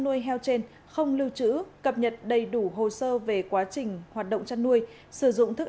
nuôi heo trên không lưu trữ cập nhật đầy đủ hồ sơ về quá trình hoạt động chăn nuôi sử dụng thức